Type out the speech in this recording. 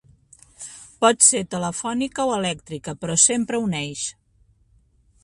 Pot ser telefònica o elèctrica, però sempre uneix.